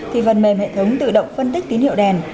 thì phần mềm hệ thống tự động phân tích tín hiệu đèn